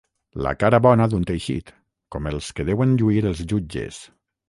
La cara bona d'un teixit, com els que deuen lluir els jutges.